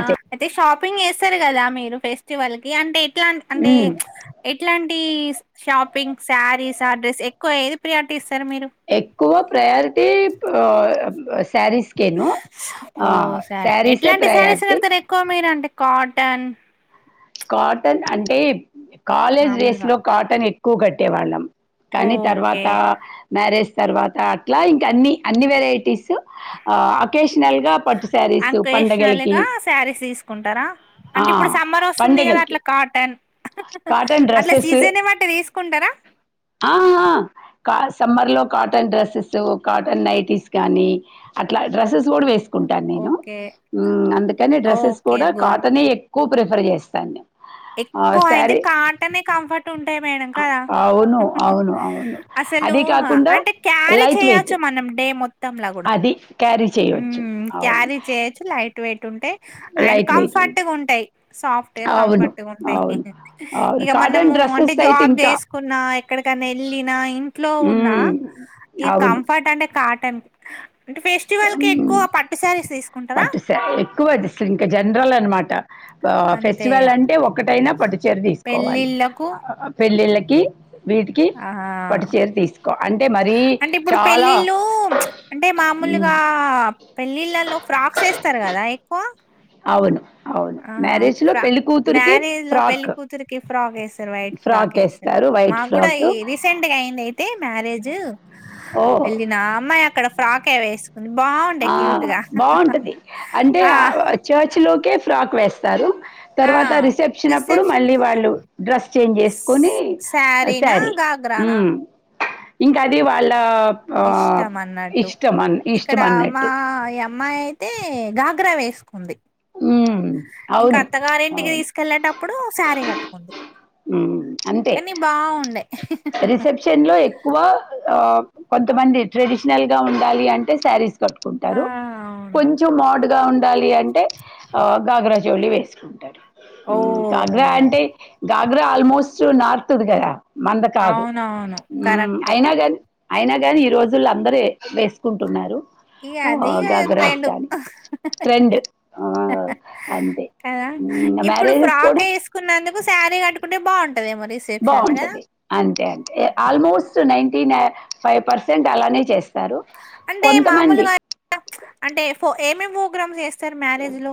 ఆ అయితే షాపింగ్ చేస్తారు కదా మీరు ఫెస్టివల్ కి అంటే ఎట్లా అంటే ఉమ్ ఎట్లా టి షాపింగ్ శారీసా డ్రెస్ ఎక్కువది ప్రయాటీస్ ఎక్కువ ప్రయారిటీ ఆ సారీస్కను ఆ ఓ సరే సారీసే ఎట్లాంటి శారీస్ ప్రయారిటీ కడతారు ఎక్కువ మీరు అంటే కాటన్ కాటన్ అంటే కాలేజ్ డేస్ మామూలుగా లో కాటన్ ఎక్కువ కట్టే వాళ్ళం కానీ ఓకే తర్వాతా మ్యారేజ్ తర్వాతా అట్లా ఇంకా అన్ని అన్ని వెరైటీసు ఆ అకేష్నల్ గా పట్టు సారీస్ అకేషనల్ పండగలకి గా శారీస్ తీసుకుంటారా ఆ అంటే ఇప్పుడు సమ్మరోస్తుంది కదా పండగలకి అట్లా కాటన్ కాటన్ అట్లా డ్రెస్సెస్ సీజన్ బట్టి తీసుకుంటారా ఆహా కా సమ్మర్ లో కాటన్ డ్రస్సెసు కాటన్ నైటీస్ కాగానీ అట్లా డ్రెస్సెస్ కూడా వేసు ఉంటానేను ఓకే ఉహ్ అందుకని డ్రెస్సెస్ ఓకే కూడా గుడ్ కాటనే ఎక్కువ ప్రిఫర్జేస్తాను నేన్ ఎక్కువ అయితే కాటనే కంఫర్ట్ ఉంటాయ్ మేడం అ కదా అవును హుహ్ అవును అవును అసలు అసలూ అది హ కాకుండా అంటే క్యారీ లైట్ వెయిట్ చేయచ్చు మనం డే మొత్తంలా కూడా అది క్యారీ చేయవచ్చు ఉహ్ అవును క్యారీ చేయొచ్చు లైట్ వెటుంటాయి అండ్ లైట్ వెయిట్ కంఫర్ట్ గా ఉంటాయి సాఫ్ట్ గా అవును కంఫర్ట్ ఉంటాయి అవును అవును ఇగ కాటన్ మనము అంటే డ్రెస్సెస్ అయితే జాబ్ ఇంకా చేసుకున్నా ఎక్కడ్క ఎటన్నేల్లిన ఇంట్లో ఉన్న మ్మ్ ఇగ అవును కంఫట్ అంటే కాటన్ ఫెస్టివల్‌కి ఉహ్ ఎక్కువ పట్టు శారీస్ తీసుకుంటారా? పట్టు సారీ ఎక్కువది ఇంకా జనరల్ అన్మాట ఆ అంతే ఇగ ఫెస్టివల్ అంటే ఒకటైనా పట్టుచీర తీసుకోవాలి పెళ్ళిళ్ళకు ఆ పెళ్ళిళ్ళకి వీటికి ఆహా! పట్టుచీరా తీసుకో అంటే మరీ అంటే ఇప్పుడు చాలా ఉమ్, ఇంకా పెళ్ళిళ్ళలో ఫ్రాక్స్ ఏస్తారు కదా ఎక్కువ అవును అవును ఆ మ్యారేజ్ లో ఫ్రా పెళ్లికూతుర్కి మ్యారేజ్ లో పెళ్లి ఫ్రాక్ కూతురికి ఫ్రాక్ వేస్తారు వైట్ ఫ్రాక్ ఫ్రాకేస్తారు వేస్తారు వైట్ మాకు కూడా ఫ్రాక్ ఈ రీసెంట్గైది అయితే మ్యారేజ్ ఓ వెళ్ళినా అమ్మాయి అక్కడ ఫ్రాకే వేసు ఆ బాగుంటది అంటే ఆ చర్చ్ లోకే ఫ్రాక్ వేస్తారు ఆ తర్వాత రిసెప్షన్ అప్పుడు మళ్ళీ వాళ్ళు డ్రస్చేంజ్ చేసుకొని సారీ ద్రణ ఇంకా అది వాళ్ళా ఆ ఇష్టం అని ఇష్ట ఆ మా యమ్మాయి అయితే గాగ్రా వేస్కుంది ఉమ్ ఇంకా అవును అత్తగారింటికి అవును తీసుకెళ్ళేటప్పుడు సారీ కట్టుకుంది ఉహ్ అంతే కానీ బాగుండే రిసెప్షన్ లో ఎక్కువ ఆ కొ కొంతమంది ట్రెడిషనల్ గా ఉండాలి అంటే సారీస్ ఆ కట్టుకుంటారు అవును కొంచెం మోడ్గా ఉండాలి అంటే ఆ గాగ్రాజౌళి వేసుకుంటారు ఓహో! గాగ్రా అంటే గాగ్రా ఆల్మోస్ట్ నార్త్దిగదా మంద కాదు అవునవును. ఉహ్ కరెక్టే. అయినా కానీ అయినా కానీ ఈరోజుల్లో అందరే వేసుకుంటున్నారు ఈ ఆ యదీ గాగ్రాస్ ట్రేండు కానీ ట్రెండ్ ఆ అంతే కదా ఇప్పుడు మ్యారేజెస్ ఫ్రాక్ కూడా వేసుకున్నందుకు సారీ గట్టుకుంటే బాగుంట బాగుంటది అంతే అంతే హ్మ్. Almost ninety ninety five percent అలానే చేస్తారు అంటే కొంత మంది ఏంమేం ప్రోగ్రామ్స్ చేస్తారు మ్యారేజ్ లో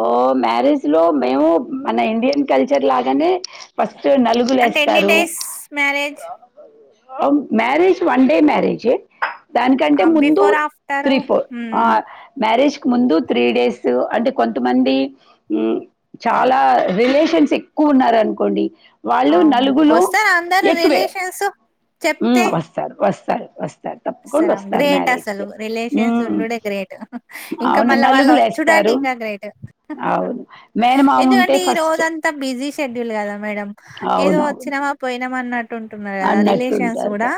ఓ మ్యారేజ్ లో మేము మన ఇండ్యన్ కల్చర్ లాగానే ఫస్ట్ ఫస్ట్ అంటే ఎన్ని నలుగులేస్తారు days marriage? Marriage one day మ్యారేజే దానికంటే ఆహ్, ముందు బిఫోర్ ఆఫ్టరు? త్రీ ఫోర్ ఆ హ్మ్. మ్యారేజ్కు ముందు త్రీ డేసు అంటే కొంతమంది చాలా రిలేషన్స్ ఎక్కువున్నారనుకోండి వాళ్ళు అవును. నలుగులు వస్తారా అందరూ ఎక్కువే రిలేషన్స్ ఉ వస్తారు వస్తారు వస్త్ సర గ్రేట్ అసలు రిలేషన్స్ మ్, ఉండుడే గ్రేట్ ఇంకా అవును మళ్ళ వాళ్ళు నలుగులు వొచ్చుడాంక్ అంటే వేస్తారు ఇంకా గ్రేట్ అవును మేనమామ ఉంటే ఎందుకంటే ఈ ఫస్ట్ రోజంతా బిజీ షెడ్యూల్ కదా మేడం ఏదో వచ్చినమా పోయినమన్నట్ అన్నట్టుంటార్క్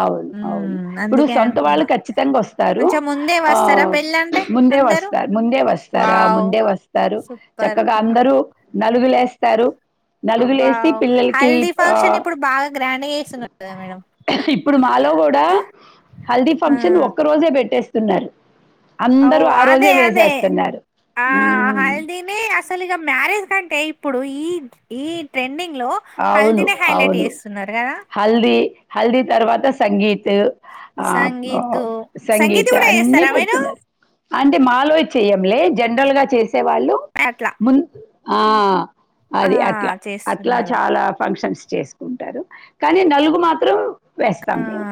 అవును అవును ఉమ్, ఇప్పుడు అందుకే సొంత వాళ్ళు అంటున్నా ఖచ్చితంగా వొస్తారు కొంచెం ముందే ఆ వస్తారా పెళ్ళంటే ముందే అందరూ వస్తారు ముందే వస్తారు వావ్ గాముందే వస్తారు సూపర్ చక్కగా అందరూ నలుగులేస్తారు నలుగులేసి వావ్ పిల్లలకి హల్దీ ఆ ఫంక్షన్ ఇప్పుడు బాగా గ్రాండ్ గా చేస్తున్నారు కదా మేడం ఇపుడు మాలో గూడా హల్దీ ఆ, ఫంక్షన్ ఒక్క రోజే బెట్టేస్ తున్నారు అవో అదే అదే ఆ హ్మ్. హల్దీనే అసలిగా మ్యారేజ్ కం టె ఇపుడు ఈ ఈ ట్రెండింగ్ గ్లో అవును. హల్దీనే హైలైట్ అవును. ఏస్తున్నరు గదా హల్దీ హల్దీ తర్వాత సంగీత్ ఆ ఆ సంగీతు సంగీత్ గూడా అన్నీ చేస్తారా మీరు? పెడుతున్నరు అన్ టే మాలో చెయ్యంలే జెనరల్ గా చేసేవాళ్ళు అట్లా. ముంద్ ఆ ఆ! అది అట్ల అట్లా చేస్తున్నారు. చాలా ఫంక్షన్స్ చేసుకుంటారు కానీ నలుగు మాత్రం ఆ! వేస్తాం మేము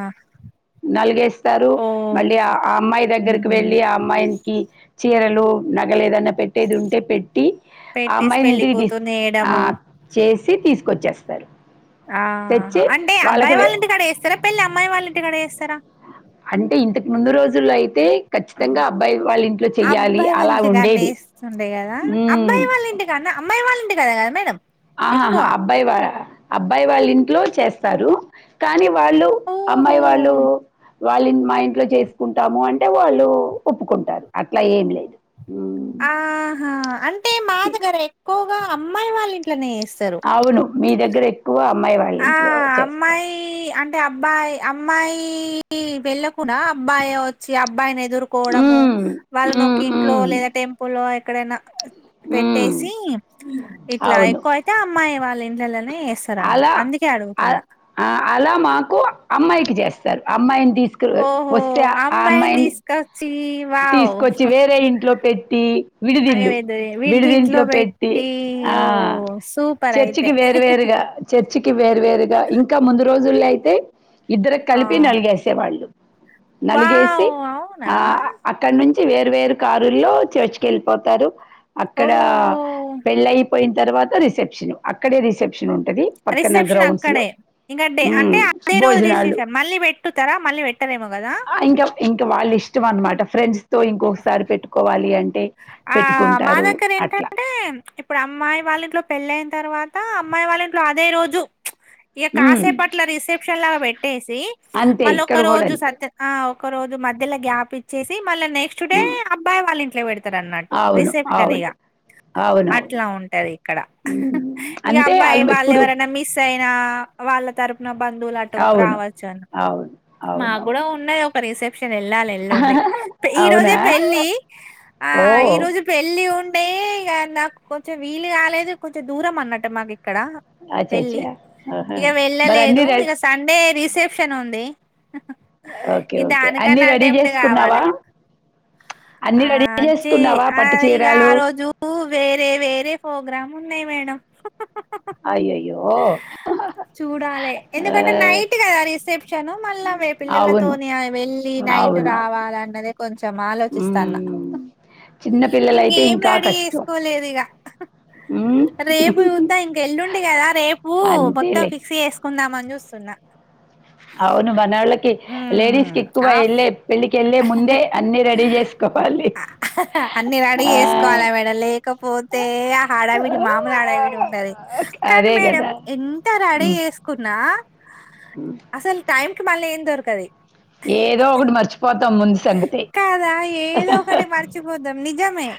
నలుగేస్తారు ఓహ్! మళ్ళీ ఆ అమ్మాయి దగ్గరికి హుహు. వెళ్ళి ఆ అమ్మాయింకీ చీర లు నగలేదన్న పెట్టేదుంటే పెట్టి పెట్టేసి అమ్మాయిని పెళ్లి ఇంటికి తీసుక్ కూతుర్ని ఆ చేయడము. ఏసి తీసుకొచ్చేస్తారు ఆ తెచ్చి అంటే అబ్బాయి వాళ్ళకి వే- వాళ్ళింటికడ యేస్తారా పెళ్ళి అమ్మాయి వాళ్ళింటికడ ఏస్తారా అంటే ఇంతకముందు రోజుల్లో అయితే ఖచ్చితంగా అబ్బాయి వాళ్ళ ఇంట్లో చెయ్యాలి అబ్బాయి వాళ్ళ అలా ఉండేది. ఇంటికాన్నేస్తుండే గదా హ్మ్. అబ్బాయి వాళ్ళ ఇంటికన్న అమ్మాయి వాళ్ళ ఇంటిక్ కద కద మేడం ఎక్కువ? ఆహాహా అబ్బాయి వా అబ్బాయి వాళ్ళింట్లో చేస్తారు కానీ వాళ్ళు అమ్మాయి వాళ్ళు ఓహో! వాళ్ళిన్ మా ఇంట్లో చేసుకుంటాము అంటే వాళ్ళు ఒప్పుకుంటారు అట్లా ఏం లే ఆహా అంటే మా ఇ దగెరె ఎక్కువగా అమ్మాయి వాళ్ళింట్లనే అవును మీ దగ్గర ఎక్కువ అమ్మాయి వాళ్ళ ఇంట్లో చేస్తరు టే అబ్బాయి అమ్మాయి వెళ్ళకుండా అబ్బాయే వొచ్చి అబ్బాయినే ఎదుర్కోడము హ్మ్. వాళ్ళను హ్మ్. ఒకింట్లో హ్మ్. లేదా టెంపుల్ ఎక్కడైనా హ్మ్. పెట్టేసి ఇట్లా అవును. ఎక్కువైయితే అమ్మాయి వాళ్ళ ఇండ్లల్లనే ఎస్తరన్న అ అ అలా మాకు అమ్మాయికి జేస్తారు అమ్మాయిన్ తీస్కు ఓహో! ఒస్తే ఆ అమ్మాయిని తీసుకొచ్చి వావ్! తీస్కోచ్చి వేరే ఇంట్లో పెట్టి విడిదిల్లు అదేదో వీడి దీంట్లో విడిదింట్లో పెట్టి ఆ ఓహ్! సూపర్ అయితే. చర్చికి వేరు వేరుగా గ చర్చికి వేర్వేరుగా ఇంక ముందు రోజుల్లో అయితే ఆ! ఇద్దరిక్కాలిపి నలుగేసే వాళ్ళు నలుగేసి వావ్! ఆ అవునా? అక్కడ్నుంచి వేరు వేరు కారుల్లో చర్చికెళ్ళిపోతారు అక్కడ ఓహో పెళ్ళైపోయిన తర్వాత రిసెప్షను అక్కడే రిసెప్షనుంట్ ఉంటది పక్కన రిసెప్షన్ గ్రౌండ్స్ లో అక్కడే ఇంకా డే అంటే మ్మ్ అదే రోజు భోజనాలు రిసెప్షన్ మళ్ళీ పెట్టుతారా మళ్ళీ పెట్టరేమో కదా ఇంకా ఇంకా వాళ్ళిష్టం అన్మమాట ఫ్రెండ్స్ తో ఇంకొకసారి పెట్టుకోవాలి అన్ ఆ మా దగ్గరేంటంటే ఇపుడామ్మాయి వాళ్ళ ఇంట్లో పెళ్ళే ఐన్ తర్వాత అమ్మాయి వాళ్ళంట్లో అదే రోజు ఇగ హ్మ్. కాసేపట్ల రిసెప్షన్ లాగా బెట్టేసి అంతే మల్లొక ఇక్కడ గూడా రోజు అంతే. సత్య అ ఒ కో రోజు మధ్యల గ్యాప్ ఇచ్చేసి మళ్ళ నెక్స్ట్ డే హ్మ్. అబ్బాయి వాళ్ళ ఇంట్ల పెడ్త్ తరఅన్నట్టు అవును. రిసెప్షన్ అవును. ఇగా అవునవును. అట్లా ఉంటది ఇక్కడ హ్మ్. ఇగా అంతే అబ్బాయి ఆళ్ళు ఇప్పుడు వాళ్ళేవరన్న మిస్ అయిన్ ఆ వాళ్ళ తరపున బంధువులటు అవును. రావచ్చని అవును. మాగ్గుడా అవునవును. ఉన్నయ్ ఒక రీసెప్ నెనెల్లాలే ఎల్లుండి ప్ ఈ అవునా? రోజే పెళ్లి ఆ ఈ ఓహ్! రోజ్ పెళ్ల్ పెళ్ళి ఉండే ఇగ నాక్ కొంచెం వీలు గాలేదు కొంచెం దూరమన్నట్ట మాక్ క్కడ పెళ్లి అచ్చచ్చా! ఆహా! ఇగ మరి అన్నీ వెళ్ళలేదు రె ఇగ సండే దీస్క్ సెప్షన్ ఉంది ఓకే. ఈ ఓకే. అన్నీ దానికన్నా రెడీ అటెప్ట్ జేసుకున్నావా? కావాలే ఆ అన్నీ రెడీ చే జేసుకున్నావా ఆ పట్టు ఇగ ఆ చీరలు? రోజు వేరే వేరే ఫోగ్రాం ఉన్నయ్ మేడం అయ్యయ్యో చూడాలే ఆ ఎందుకంటే నైట్ గదా రిసెప్షను మల్లా అవును పిల్లలతోని వెళ్ళి న నైటు అవును అవును రావాలన్నదే కొంచం ఆలోచిస్ తన్న ఉమ్. చిన్నపిల్లలైతే ఇంగేం ఇంకా రడీ కష్టం ఏస్కోలేదిగా ఉమ్. రేపు చుద్దా ఇంగేల్లుండి గదా రేపు మొత్తం అంతేలే ఫిక్స్ యేస్కుందామని జూస్త్ సున్నా ఔను [unintelligible] లేడీస్కెక్కువ ఆ ఎల్లే పెళ్లికెళ్లే ముందే అన్ని రెడీ జేస్కోవాలి అన్నీ రడీ ఎస్కోవాలె మేడ లేకపోతే ఆ హడావిడి మామూలడావిడి ఉండది కానీ అదే మేడం కదా ఎంత రడీ ఉమ్. ఎస్కున్నా అసల్ టైంక్ మల్లెమ్ దొరకది ఏదో ఒకటి మర్చిపోతాం ముందు సంగతి కాదా ఏదో ఒకటి మర్చిపోదాం నిజమే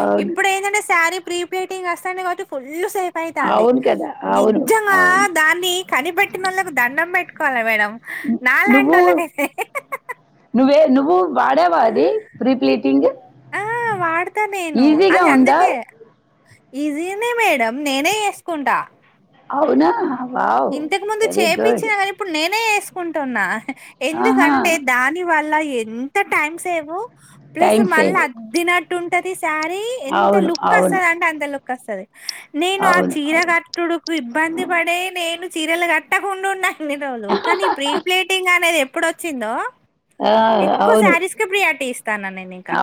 అవును ఇప్పుడెందంటే శారీ ప్రీ ప్లీటింగ్ అస్తాంది గావట్టి ఫుల్ సేఫ్ ఐతాంది అవును కదా అవును నిజ్జంగా అవును దాన్ని కనిపెట్టినోళ్ళకి దండం బెట్టుకోల్లే మేడం నువ్వు నలాంతోళ్లకైతే నువ్వే నువ్వు వాడేవా అది ప్రీ ప్లీటింగ్ అ వాడ్తా నేను ఈజీగా ఉందా అదందికే ఈజీగనే మేడం నేనే ఏస్కుంటా ఔనా ఇంతక్ముందు చేపిచ్చిన గనీ ఇప్పుడ్ నేనే ఏస్క్ కుంటున్నా ఆహా ఎందుకంటే దాని వల్ల ఎంత time save plus time save మల్లద్దినట్టుంటది సారి ఎంత అవును లుక్ అవును అస్తిదంటే అంత లుక్ అస్తది నేను ఆ అవును చీర అవును గట్టుడుకు ఇబ్బంది పడే నేన్ చీరలు గట్టకుండా ఉన్నా ఇన్ని రోజులు కానీ ప్రీ ప్లేటింగ్ అనేది ఎప్పుడొచ్చిందో ఎక్కువ సారీస్క్ ప్రియార్టీ ఇస్త్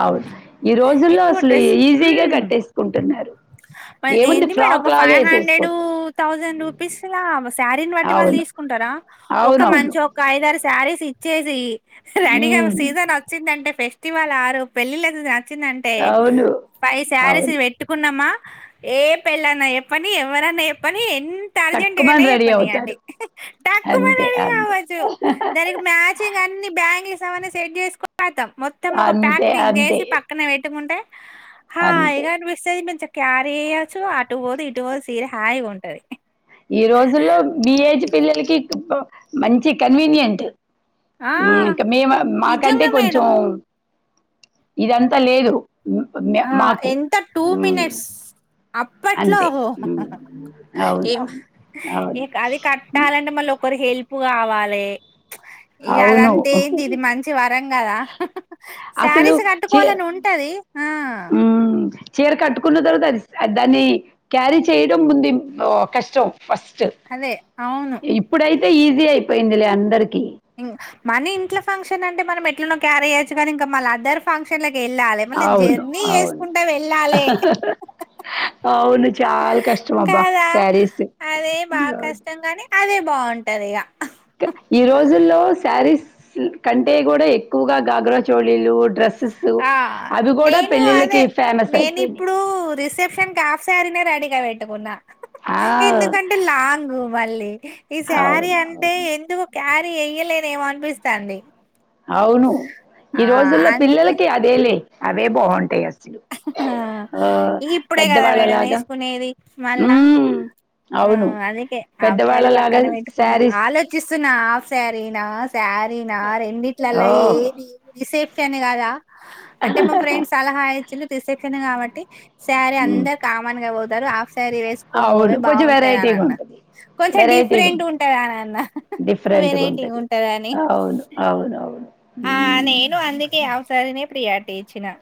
ఔన్ ఈ రోజుల్లో ఎక్కువ అస్లీ ఈజీగా గట్టేస్కుంటున్నారు అ ఏంది మేడం ఒక ఫైవ్ హండ్రెడూ థౌజండ్ రూపిస్ లా వ సారీన్ పట్టి అవును వల్దీస్కుంటరా ఒక అవును అవును మంచ్ ఒకైదారు సారీస్ ఇచ్చేసి రడీగా ఉమ్, సీజన్ ఒచ్చిందంటే ఫెస్టివల్ ఆరు పెళ్లిళ్లక్ చిందంటే అవును ఫైవ్ సారీస్ అవును వెట్టుకున్నమా ఏ పెళ్లన్నా ఎప్పనీ ఎవ్వరన్నా ఎప్పనీ ఎంతర్జెంట్ గైన తక్కువని రెడీ ప్పనియ్యండి అవుతారు టక్కుమని అంతే రడీ అంతే కావచ్చు దానికి మ్యాచింగ్ అన్నీ బ్యాంగ్ గిల్స్ అవన్నీ సెట్ జేస్కో కథం మొత్తం ఒక అంతే ప్యాకింగ్ అంతే జేసి పక్కన వెట్టుకుంటే హా ఇగ అంతే అనుపిస్తది మే న్చ్ క్యారీ జేయెచ్చు అటువోదు ఇటువోదు సీర హాయిగా ఉంటది ఈ రోజుల్లో మీ ఏజ్ పిల్లల్కీ మంచి కన్వీనియంట్ ఆ ఉమ్ ఇంకా మేమ్ మాకంటే నిజంగా మేడం కొంచెవ్ ఇదంత లేదు మే- ఆ మాకు ఎంత టూ ఉమ్, మినెట్స్ అప్పట్లో అంతే ఉమ్, అవును ఏం అవును అవును ఇక్ అది కట్టాలంటే మళ్ళీ ఒకరి హెల్ప్ ఉప్పు గావాలే ఇగ అవును అదంతేంది ఇది మంచి వరం గదా సారీస్ గట్టుకోవాలని వుంటది ఉమ్ ఉమ్ చీర కట్టుకున్న తర్వాత అ అది దాన్ని క్యారీ చేయడం ముంది ఇంపొ కష్టం ఫస్ట్ అదే అవును ఇప్పుడైతే ఈజీ అయిపోయింది లే అందరికీ ఇం మనీ ఇంట్లో ఫంక్షన్ అంటే మనం ఎట్లనో క్యారీ చేయచ్చు. కానీ ఇంకా మళ్ళ అదర్ ఫంక్షన్ ల వెళ్ళాలె మళ్ళీ అవును జర్నీ అవును చేసుకుంట వెళ్ళాలె అవును చాలా కష్టం అబ్బా కాదా శారీస్ అదే బాగ కష్టంగానే అది బాగుంటది ఇగా ఈ రోజుల్లో శారీస్ కంటే కూడా ఎక్కువగా గాఘ్రా చోళీలు డ్రెస్ ఆ నేను అదే ఫేమస్ నేను అయిపోయినాయి ఇప్పుడు రిసెప్షన్ కు హాఫ్ శారీస్ రెడీ ఇగ పెట్టుకున్నా ఆ ఎందుకంటే లాంగ్ మళ్ళీ ఈ శారీ అవును అంటే అవును ఎందుకు క్యారీ ఎయ్యలెన్ ఏమో అనిపిస్తాంది. అవును ఈ ఆ రోజుల్లో అందుకే పిల్లలకి అదేలే అవే బాగుంటాయి అసలు ఆ ఆ ఇప్పుడే కదా మేడం పెద్దవాళ్ళలాగా వేసుకునేది మళ్ళా ఉమ్ ఆ అవును అందుకే ఆఫ్ సారీ పెద్దవాళ్ళలాగా పక్కన పెట్కున్నా శారీస్ ఆలోచిస్తున్నా ఆఫ్ సారీ నా సారీనా రెండిట్లలా ఓ ఏది రిసెప్షన్ కదా అంటే మా ఫ్రెండ్స్ సలహా అయి రిసెప్షన్ కాబట్టి సారీ అందరు కామన్ గా పోతారు హాఫ్ ఈ సరి వేసుకొని అవును ఓవే కొంచెం వెరైటీగా బాగుంటదానన్న ఉంటది కొంచెం వెరైటీగా ఉంటది డిఫరెంట్ ఉంటదానిన్న డిఫరెంట్గా వెరైటీ గ ఉంటది ఉంటదన్ని అవును అవునవును. ఆ హ్మ్. నేను అందుకే హాఫ్ సారినే ప్రియారిటీ ఇచ్చిన